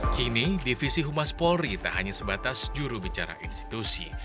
kini divisi humas polri tak hanya sebatas jurubicara institusi